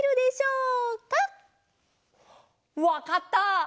わかった！